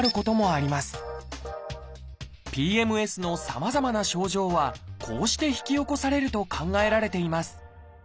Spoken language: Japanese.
ＰＭＳのさまざまな症状はこうして引き起こされると考えられています。